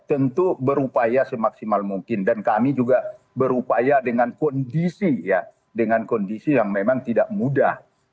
tentu berupaya semaksimal mungkin dan kami juga berupaya dengan kondisi ya dengan kondisi yang memang tidak mudah